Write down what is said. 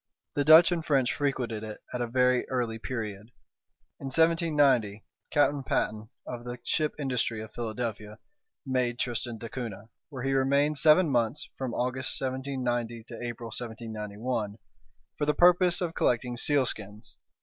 The Dutch and French frequented it at a very early period. In 1790, Captain Patten, of the ship Industry, of Philadelphia, made Tristan d'Acunha, where he remained seven months (from August, 1790, to April, 1791) for the purpose of collecting sealskins.